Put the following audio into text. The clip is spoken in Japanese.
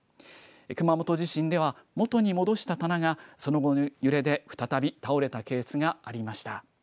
熊本地震では元に戻した棚がその後の揺れで再び倒れたケースがありました。